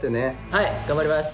はい頑張ります。